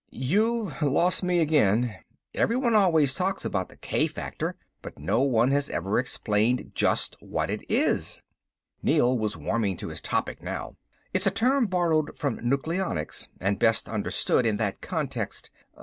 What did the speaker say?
"You've lost me again. Everyone always talks about the k factor, but no one has ever explained just what it is." Neel was warming to his topic now. "It's a term borrowed from nucleonics, and best understood in that context.